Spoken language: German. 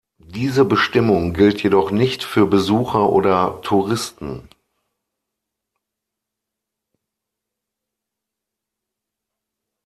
Diese Bestimmung gilt jedoch nicht für Besucher oder Touristen.